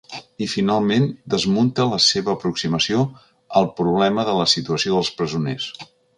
I, finalment, desmunta la seva aproximació al problema de la situació dels presoners.